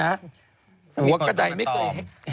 หัวกระดายไม่กล่อม